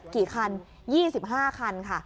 กี่คัน๒๕คันค่ะ